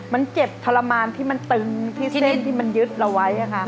มันเจ็บทรมานที่มันตึงที่เส้นที่มันยึดเราไว้ค่ะ